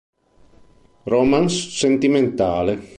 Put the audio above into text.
Romance sentimentale